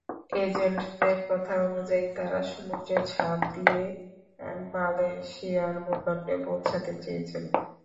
এজেন্টদের কথা অনুযায়ী তারা সমুদ্রে ঝাঁপ দিয়ে মালয়েশিয়ার ভূখণ্ডে পৌঁছাতে চেয়েছিল।